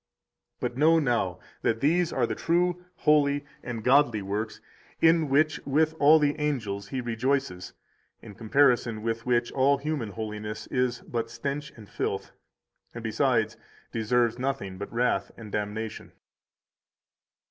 198 But know now that these are the true, holy, and godly works, in which, with all the angels, He rejoices, in comparison with which all human holiness is but stench and filth, and, besides, deserves nothing but wrath and damnation.